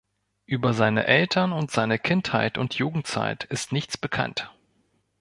Über seine Eltern und seine Kindheit und Jugendzeit ist nichts bekannt.